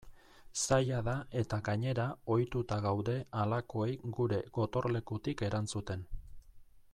Zaila da eta gainera ohituta gaude halakoei gure gotorlekutik erantzuten.